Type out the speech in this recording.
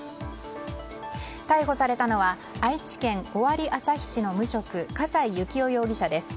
逮捕されたのは愛知県尾張旭市の無職笠井幸夫容疑者です。